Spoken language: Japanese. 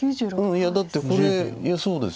いやだってこれいやそうです